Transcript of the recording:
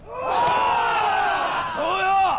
そうよ。